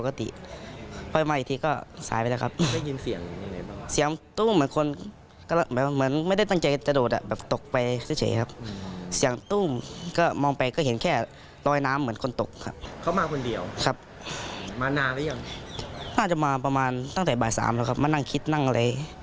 ก็น่าจะมาประมาณตั้งแต่บ่ายสามแล้วครับมานั่งคิดนั่งอะไร